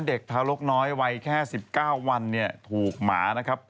เด็กทารกน้อยวัยแค่๑๙วันเนี่ยถูกหมานะครับ